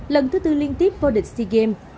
lần thứ tư liên tiếp vô địch sea games